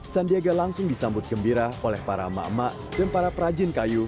sandiaga langsung disambut gembira oleh para emak emak dan para perajin kayu